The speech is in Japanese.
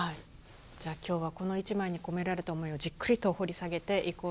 じゃあ今日はこの一枚に込められた思いをじっくりと掘り下げていこうと思います。